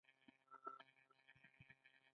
آیا دا د پښتنو کلتور نه دی؟